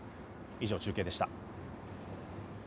以上、中継でした。